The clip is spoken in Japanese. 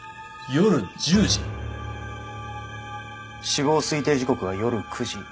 死亡推定時刻は夜９時。